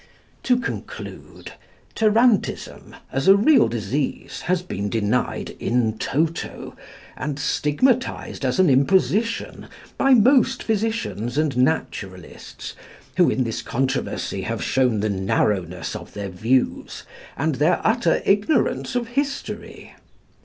To conclude. Tarantism, as a real disease, has been denied in toto, and stigmatised as an imposition by most physicians and naturalists, who in this controversy have shown the narrowness of their views and their utter ignorance of history.